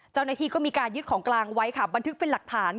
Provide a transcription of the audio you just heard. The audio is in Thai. เจ้าหน้าที่ก็มีการยึดของกลางไว้ค่ะบันทึกเป็นหลักฐาน